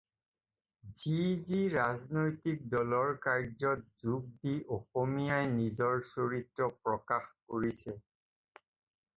যি যি ৰাজনৈতিক দলৰ কাৰ্য্যত যোগ দি অসমীয়াই নিজৰ চৰিত্ৰ প্ৰকাশ কৰিছে